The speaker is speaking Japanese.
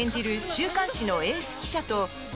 週刊誌のエース記者と。